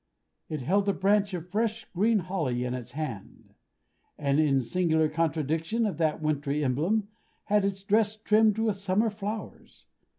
It held a branch of fresh green holly in its hand; and, in singular contradiction of that wintry emblem, had its dress trimmed with summer flowers.